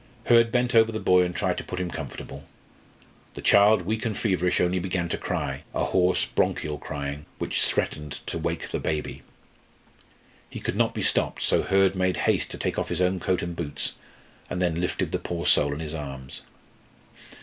Hurd bent over the boy and tried to put him comfortable. The child, weak and feverish, only began to cry a hoarse bronchial crying, which threatened to wake the baby. He could not be stopped, so Hurd made haste to take off his own coat and boots, and then lifted the poor soul in his arms.